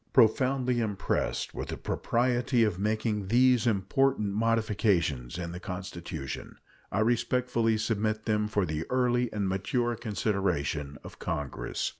Profoundly impressed with the propriety of making these important modifications in the Constitution, I respectfully submit them for the early and mature consideration of Congress.